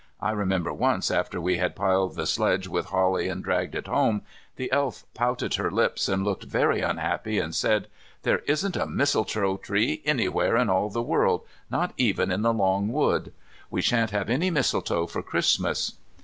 I remember once after we had piled the sledge with holly and dragged it home, the Elf pouted her lips and looked very unhappy and said, "There isn't a mistletoe tree anywhere in all the world, not even in the Long Wood. We shan't have any mistletoe for Christmas."